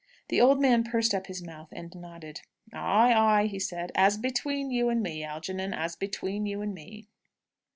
The old man pursed up his mouth and nodded. "Aye, aye," he said, "as between you and me, Algernon; as between you and me."